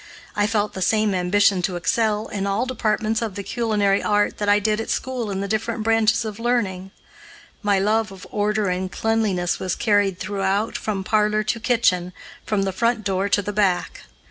I felt the same ambition to excel in all departments of the culinary art that I did at school in the different branches of learning. My love of order and cleanliness was carried throughout, from parlor to kitchen, from the front door to the back.